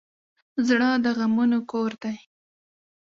زړه د غمونو کور دی.